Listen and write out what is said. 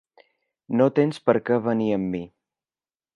No tens per què venir amb mi.